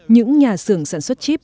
những nhà xưởng sản xuất chip